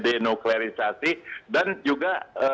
denuklerisasi dan juga